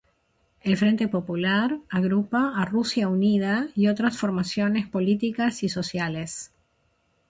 El frente popular agrupa a Rusia Unida y otras formaciones políticas y sociales.